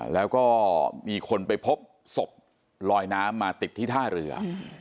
แล้วก็มีคนไปพบศพลอยน้ำมาติดที่ท่าเรือ